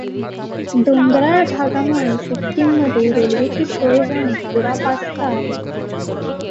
डोंगराळ भागामुळे सिक्कीममध्ये रेल्वेची सोय होणे दुरापास्त आहे.